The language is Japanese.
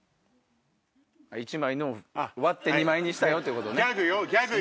１枚のを割って２枚にしたってことね。